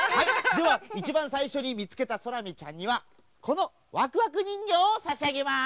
ではいちばんさいしょにみつけたソラミちゃんにはこのワクワクにんぎょうをさしあげます！